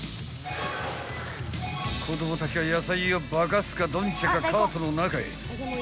［子供たちが野菜をばかすかどんちゃかカートの中へ］